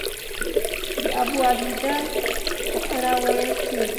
د ابوعبیده په اړه ویل کېږي.